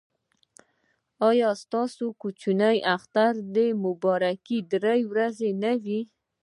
آیا د کوچني اختر مبارکي درې ورځې نه وي؟